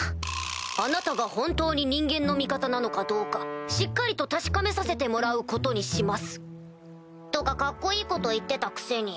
「あなたが本当に人間の味方なのかどうかしっかりと確かめさせてもらうことにします」。とかカッコいいこと言ってたくせに。